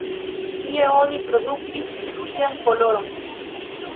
Tie oni produktis ruĝan koloron.